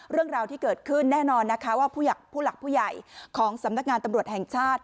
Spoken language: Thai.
เรื่องราวที่เกิดขึ้นแน่นอนนะคะว่าผู้หลักผู้ใหญ่ของสำนักงานตำรวจแห่งชาติ